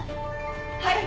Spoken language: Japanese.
はい！